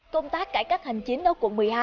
công tác cải cách hành chính ở quận một mươi hai